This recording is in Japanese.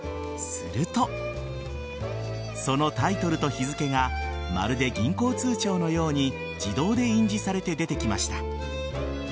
するとそのタイトルと日付がまるで銀行通帳のように自動で印字されて出てきました。